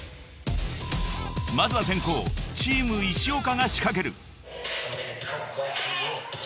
［まずは先攻チーム石岡が仕掛ける］